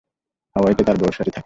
হাওয়াইতে তার বউয়ের সাথে থাকে।